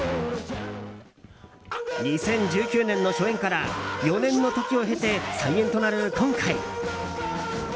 ２０１９年の初演から４年の時を経て再演となる今回。